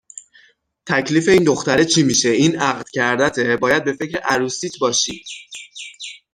تکلیف این دختره چی میشه؟ این عقد کَردَته؟ باید به فکر عروسیت باشی!